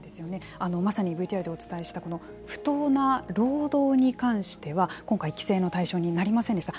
まさにＶＴＲでお伝えした不当な労働に関しては今回規制の対象になりませんでした。